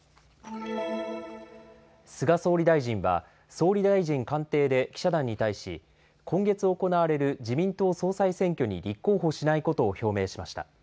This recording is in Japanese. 菅総理大臣は、総理大臣官邸で記者団に対し、今月行われる自民党総裁選挙に立候補しないことを表明しました。